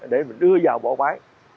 để mình đưa vào bộ phái